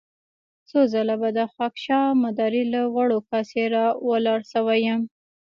څو ځله به د خاکيشاه مداري له غوړې کاسې را ولاړ شوی يم.